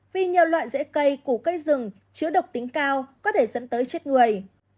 vì nhiều loại rễ cây củ cây rừng chứa độc tính cao có thể dẫn tới chết người